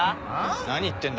何言ってんだ？